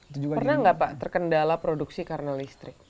pernah nggak pak terkendala produksi karena listrik